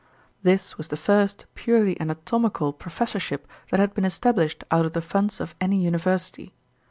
This was the first purely anatomical professorship that had been established out of the funds of any university.